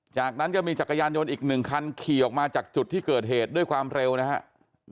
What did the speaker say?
จากนั้นก็มีจักรยานยนต์อีก๑คันขี่ออกมาจากจุดที่เกิดเหตุด้วยความเร็วนะครับ